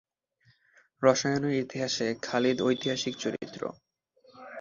রসায়নের ইতিহাসে খালিদ ঐতিহাসিক চরিত্র।